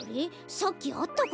さっきあったかな？